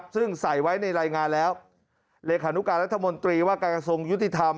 ซึ่งใส่ไว้ในรายงานแล้วเลขานุการรัฐมนตรีว่าการกระทรวงยุติธรรม